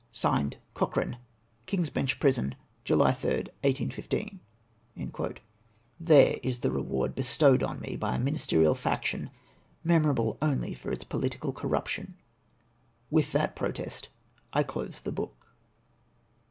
(SigDed) " Cochrane. "King's Bench Prison, July 3rd, 1815." There is the reward bestowed on me by a minis terial faction, memorable only for its pohtical cor ruption. With that protest I close the book.